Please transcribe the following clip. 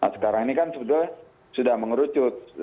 sekarang ini kan sebetulnya sudah mengerucut